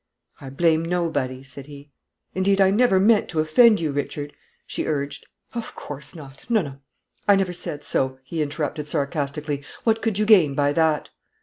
"I blame nobody," said he. "Indeed, I never meant to offend you, Richard," she urged. "Of course not; no, no; I never said so," he interrupted, sarcastically; "what could you gain by that?"